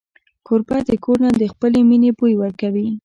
کوربه د کور نه د خپلې مینې بوی ورکوي.